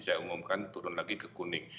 saya umumkan turun lagi ke kuning